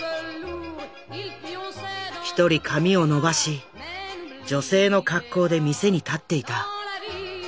１人髪を伸ばし女性の格好で店に立っていた。